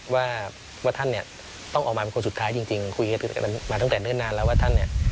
ว่าท่านต้องออกมาเป็นคนสุดท้ายจริงมาตั้งแต่เมื่อนานแล้วว่าท่าน